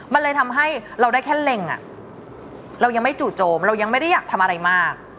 มันเลยทำให้เราได้แค่เล็งเรายังไม่จู่โจมเรายังไม่ได้อยากทำอะไรมาก